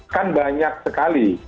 kan banyak sekali